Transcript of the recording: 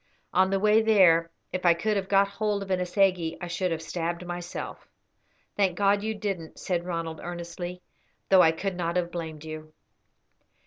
On the way there, if I could have got hold of an assegai I should have stabbed myself." "Thank God you didn't," said Ronald, earnestly, "though I could not have blamed you."